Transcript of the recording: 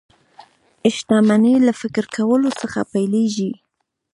شتمني له فکر کولو څخه پيلېږي